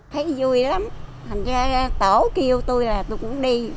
thấy vui lắm thành ra tổ kêu tôi là tôi cũng đi